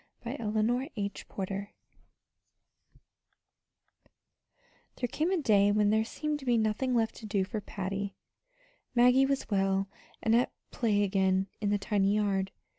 CHAPTER XXVI There came a day when there seemed to be nothing left to do for Patty. Maggie was well, and at play again in the tiny yard.